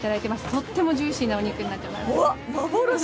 とってもジューシーなお肉になっております。